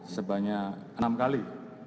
sebanyak enam kali